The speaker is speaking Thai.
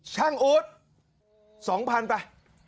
ช่างอุทธิ์๒๐๐๐ไป